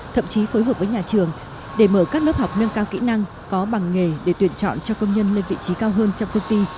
thậm chí phối hợp với nhà trường để mở các lớp học nâng cao kỹ năng có bằng nghề để tuyển chọn cho công nhân lên vị trí cao hơn trong công ty